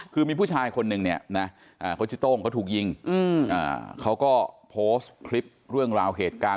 คือมีผู้ชายคนหนึ่งโต้งเขาถูกยิงเขาก็โพสต์คลิปเรื่องราวเหตุการณ์